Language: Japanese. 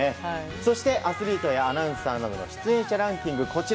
そして、アスリートやアナウンサーの出演者ランキング